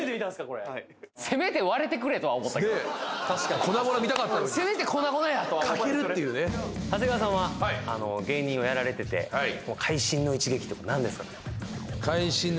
これねえ粉々見たかったのに欠けるっていうね長谷川さんは芸人をやられてて会心の一撃ってなんですかね？